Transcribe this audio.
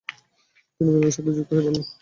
তিনি বিপ্লবীদের সাথে যুক্ত হয়ে পড়লেন।